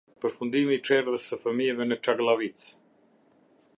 Përfundimi i çerdhes se fëmijëve në Çagllavicë